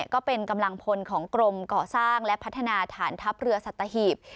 ก็เป็นกำลังพลของกรมเกาะสร้างและพัฒนาฐานทัพเรือสัตหีบ